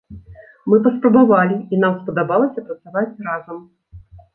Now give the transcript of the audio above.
Мы паспрабавалі, і нам спадабалася працаваць разам.